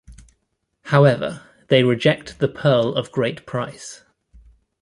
However, they reject the Pearl of Great Price.